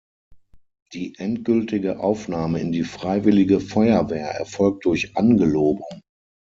Die endgültige Aufnahme in die Freiwillige Feuerwehr erfolgt durch Angelobung.